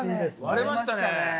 割れました。